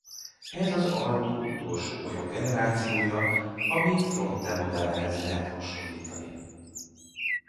Ez az Alto utolsó olyan generációja ami Fronte modellhez lehet hasonlítani.